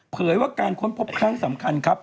เผื่อว่าการค้นพบค้างสำคัญครับ